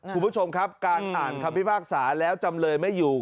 คุณผู้ชมครับการอ่านคำพิพากษาแล้วจำเลยไม่อยู่